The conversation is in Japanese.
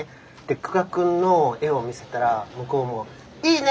久我君の絵を見せたら向こうも「いいね」